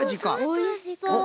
おいしそう。